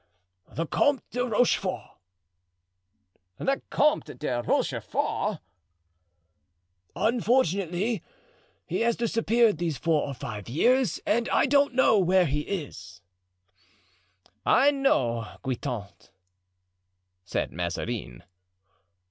"The Comte de Rochefort." "The Comte de Rochefort!" "Unfortunately he has disappeared these four or five years and I don't know where he is." "I know, Guitant," said Mazarin.